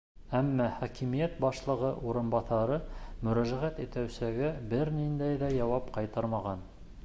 Әммә хакимиәт башлығы урынбаҫары мөрәжәғәт итеүсегә бер ниндәй ҙә яуап ҡайтармаған.